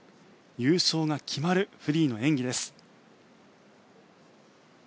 優勝が決まるフリーの演技です。